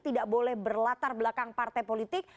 tidak boleh berlatar belakang partai politik